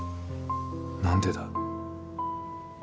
何でだ？